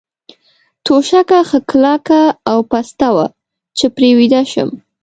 توشکه ښه کلکه او پسته وه، چې پرې ویده شم.